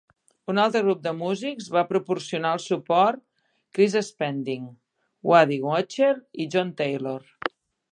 Un altre grup de músics va proporcionar el suport: Chris Spedding, Waddy Wachtel i John Taylor.